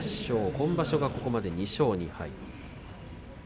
今場所は、ここまで２勝２敗。